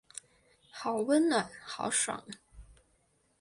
好温暖好爽